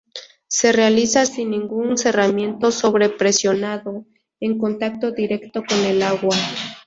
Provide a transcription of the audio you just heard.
Se realiza sin ningún cerramiento sobre presionado, en contacto directo con el agua.